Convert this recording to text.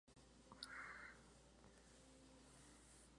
Está basada en una historia real.